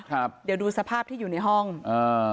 ครับเดี๋ยวดูสภาพที่อยู่ในห้องอ่า